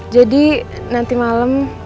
jadi nanti malam